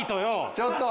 ちょっと！